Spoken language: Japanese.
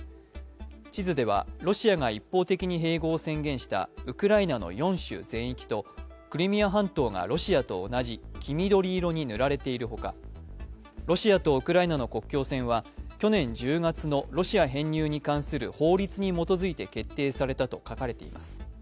地図では、ロシアが一方的に併合を宣言したウクライナの４州全域とクリミア半島がロシアと同じ黄緑色に塗られているほかロシアとウクライナの国境線は去年１０月のロシア編入に関する法律に基づいて決定されたと書かれています。